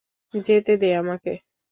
যেতে দে আমাকে।